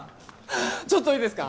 ちょっといいですか？